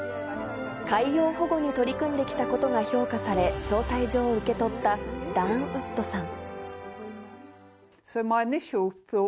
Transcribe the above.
海洋保護に取り組んできたことが評価され、招待状を受け取ったダーンウッドさん。